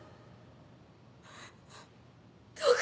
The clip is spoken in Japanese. どうか。